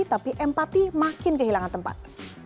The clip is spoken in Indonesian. tapi empati makin kehilangan tempat